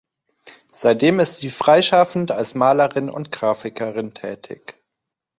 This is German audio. Seitdem ist sie freischaffend als Malerin und Grafikerin tätig.